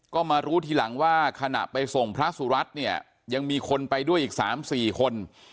ก็มารู้ทีหลังว่าขณะไปส่งพระสุรัตน์เนี่ยยังมีคนไปด้วยอีก๓๔คน